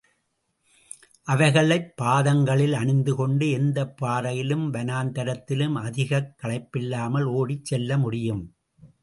அவைகளைப் பாதங்களில் அனிந்துகொண்டு எந்தப் பாறையிலும் வனாந்தரத்திலும் அதிகக் களைப்பில்லாமல் ஓடிச் செல்ல முடியும்.